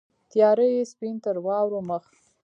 تیاره یې سپین تر واورو مخ